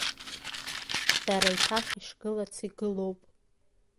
Дара еиҭах ишгылац игылоуп.